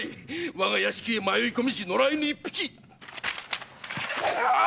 我が屋敷へ迷い込みし野良犬一匹！